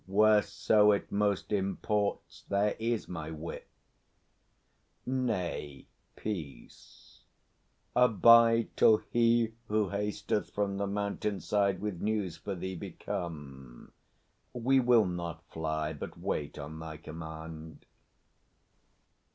Whereso it most imports, there is my wit! Nay, peace! Abide till he who hasteth from The mountain side with news for thee, be come. We will not fly, but wait on thy command.